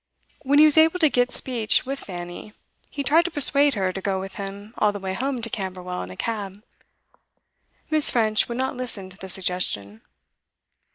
When he was able to get speech with Fanny, he tried to persuade her to go with him all the way home to Camberwell in a cab. Miss. French would not listen to the suggestion.